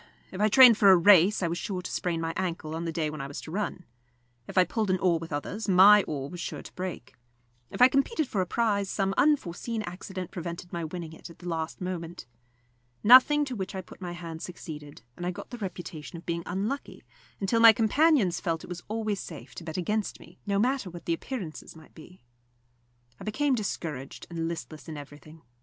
If I trained for a race, I was sure to sprain my ankle on the day when I was to run. If I pulled an oar with others, my oar was sure to break. If I competed for a prize, some unforseen accident prevented my winning it at the last moment. Nothing to which I put my hand succeeded, and I got the reputation of being unlucky, until my companions felt it was always safe to bet against me, no matter what the appearances might be. I became discouraged and listless in everything.